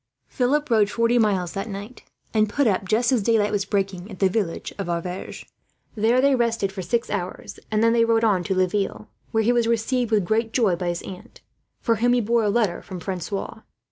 Philip rode forty miles that night; and put up, just as daylight was breaking, at the village of Auverge. There they rested for six hours, and then rode on to Laville; where he was received with great joy by his aunt, for whom he bore a letter from Francois.